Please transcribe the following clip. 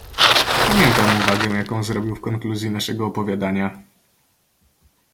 "Pamiętam uwagę, jaką zrobił w konkluzji naszego opowiadania."